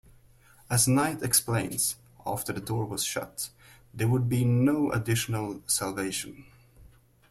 As Knight explains, After the door was shut, there would be no additional salvation.